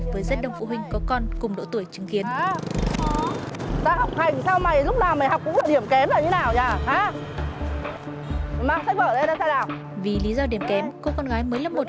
với những phụ huynh trẻ tuổi